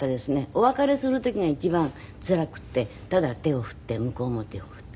お別れする時が一番つらくてただ手を振って向こうも手を振って。